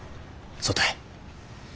そうたい。